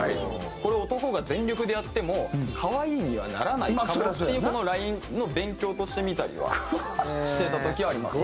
これ男が全力でやっても可愛いにはならないかもっていうこのラインの勉強として見たりはしてた時はあります。